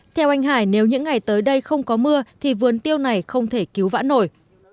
theo anh hải nếu những ngày tới đây không có mưa thì vườn tiêu này không thể cứu vã nổi